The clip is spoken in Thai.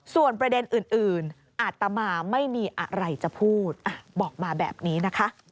ส่วนประเด็นอื่นอาตมาไม่มีอะไรจะพูดบอกมาแบบนี้นะคะ